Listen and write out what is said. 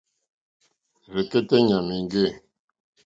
Rzɛ̀kɛ́tɛ́ ɲàmà èŋɡê.